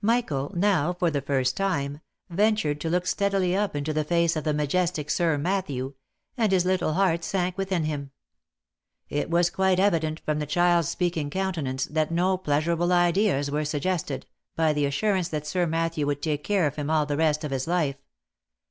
Michael now, for the first time, ventured to look steadily up into the face of the majestic Sir Matthew, and his little heart sank with in him. It was quite evident from the child's speaking countenance, that no pleasurable ideas were suggested, by the assurance that Sir Matthew would take care of him all the rest of his life.